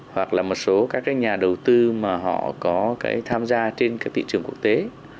hoặc là một số các nhà đầu tư mà họ có cái tham gia trên các thị trường quốc tế